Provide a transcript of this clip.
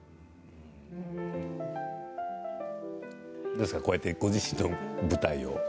どうですかこうやってご自身の舞台を。